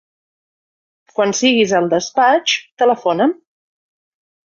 Quan siguis al despatx, telefona'm.